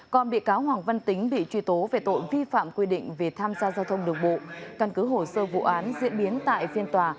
còn bị cáo hoàng văn tính bị truy tố về tội vi phạm quy định về tham gia giao thông đường bộ